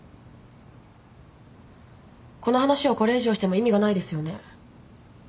この話をこれ以上しても意味がないですよね。